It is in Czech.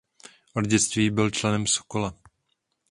Od dětství byl členem Sokola.